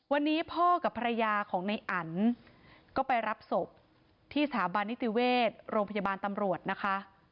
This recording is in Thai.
วันนี้พ่อกับภรรยาของในอันก็ไปรับศพที่สถาบันนิติเวชโรงพยาบาลตำรวจนะคะ